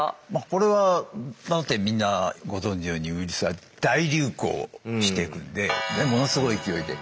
これはみんなご存じのようにウイルスは大流行していくんでものすごい勢いで。